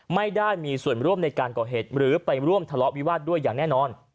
ไม่ได้มีส่วนร่วมในการก่อเหตุหรือไปร่วมทะเลาะวิวาสด้วยอย่างแน่นอน